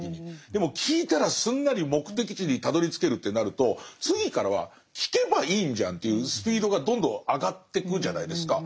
でも聞いたらすんなり目的地にたどりつけるってなると次からは聞けばいいんじゃんっていうスピードがどんどん上がってくじゃないですか。